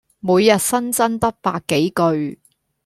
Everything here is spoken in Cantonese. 每日新增得百幾句